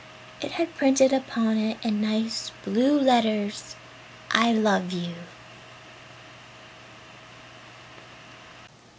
It had printed upon it in nice blue letters, 'I LOVE YOU.'"